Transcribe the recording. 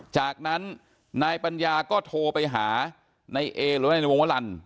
จากนั้นนายปัญญาก็โทรไปหานายเอหรือว่านายในวงวลัน